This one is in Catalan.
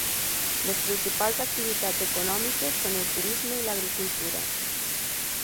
Les principals activitats econòmiques són el turisme i l'agricultura.